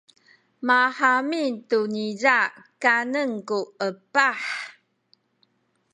mahamin tu niza kanen ku epah.